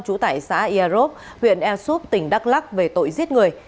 chủ tải xã ia rốt huyện e sup tp đắk lắc về tội giết người